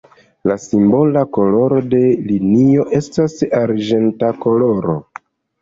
La simbola koloro de linio estas arĝenta koloro.